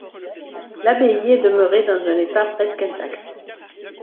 L'abbaye est demeurée dans un état presque intact.